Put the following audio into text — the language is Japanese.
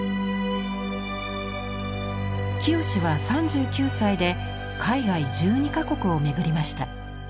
清は３９歳で海外１２か国を巡りました。